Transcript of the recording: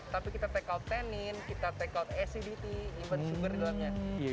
tapi kita take out tenin kita take out acidity even super di dalamnya